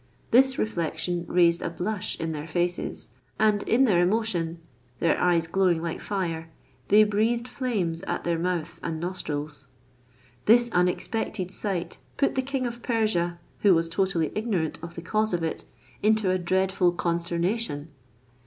This reflection raised a blush in their faces, and in their emotion, their eyes glowing like fire, they breathed flames at their mouths and nostrils. This unexpected sight put the king of Persia, who was totally ignorant of the cause of it, into a dreadful consternation.